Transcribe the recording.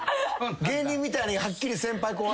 芸人みたいにはっきり先輩後輩。